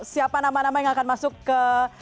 siapa nama nama yang akan masuk ke